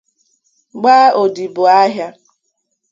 gbaa odibo ahịa